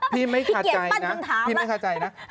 พี่ไม่คาใจนะพี่เกียรติปั้นคำถามนะ